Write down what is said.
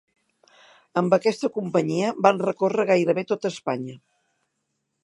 Amb aquesta companyia van recórrer gairebé tota Espanya.